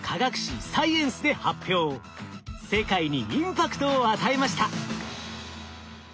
世界にインパクトを与えました。